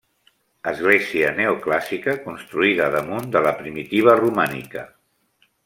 Església neoclàssica, construïda damunt de la primitiva romànica.